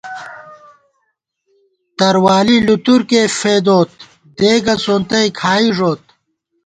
تروالی لُتُرکېئی فېدوت، دېگہ سونتَئ کھائی ݫوت